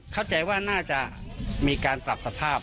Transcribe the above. เข้าใจว่าน่าจะมีการปรับสภาพ